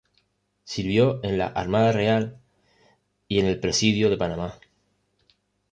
Sirvió en la Armada Real y en el presidio de Panamá.